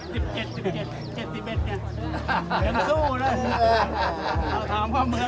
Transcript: พี่พ่อกลับไปชะเทศนะพี่พ่อกลับไปชะเทศนะ